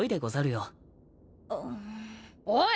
おい！